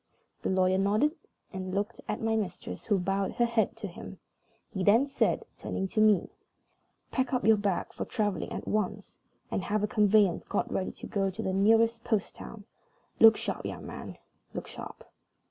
The lawyer nodded, and looked at my mistress, who bowed her head to him. He then said, turning to me: "Pack up your bag for traveling at once, and have a conveyance got ready to go to the nearest post town. Look sharp, young man look sharp!"